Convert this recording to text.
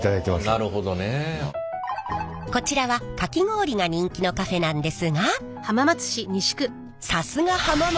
こちらはかき氷が人気のカフェなんですがさすが浜松！